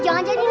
jangan jadi ini